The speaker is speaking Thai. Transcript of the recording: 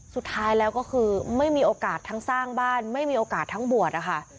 สุดท้ายแล้วก็คือไม่มีโอกาสทั้งสร้างบ้านไม่มีโอกาสทั้งบวชนะคะ